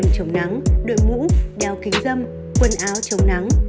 chống nắng đội mũ đeo kính dâm quần áo chống nắng